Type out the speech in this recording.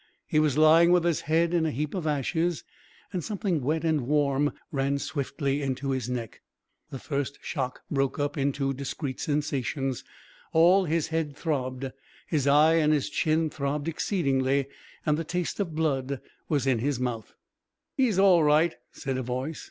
He was lying with his head in a heap of ashes, and something wet and warm ran swiftly into his neck. The first shock broke up into discrete sensations. All his head throbbed; his eye and his chin throbbed exceedingly, and the taste of blood was in his mouth. "He's all right," said a voice.